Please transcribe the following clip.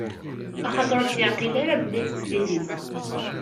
Axaṭer ur tt-iɛqil ara belli d tislit-is.